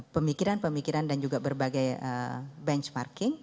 pemikiran pemikiran dan juga berbagai benchmarking